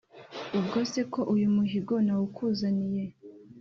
ubwo se ko uyu muhigo nawukuzaniye,